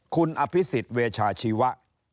คุณอภิษฎเวชาชีวะ